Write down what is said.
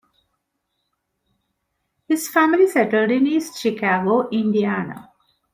His family settled in East Chicago, Indiana.